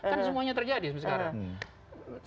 kan semuanya terjadi sekarang